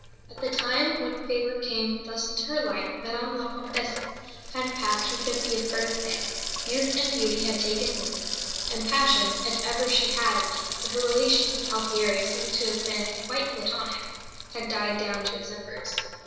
At the time when Fabre came thus into her life Madame la Comtesse had passed her fiftieth birthday youth and beauty had taken wings; and passion (if ever she had any for her relations with Alfieri seem to have been quite platonic) had died down to its embers.